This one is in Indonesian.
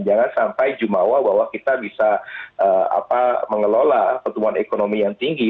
jangan sampai jumawa bahwa kita bisa mengelola pertumbuhan ekonomi yang tinggi